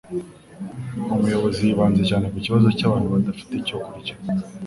Umuyobi Yibanze cyane ku kibazo byabantu badafite icyo kurya.